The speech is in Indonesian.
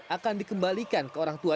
akan dikembalikan ke orang tua